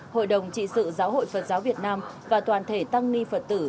hội đồng trị sự giáo hội phật giáo việt nam và toàn thể tăng ni phật tử